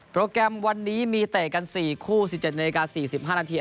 โปรแกรมวันนี้มีเตะกันสี่คู่๑๗นาที๔๕นาที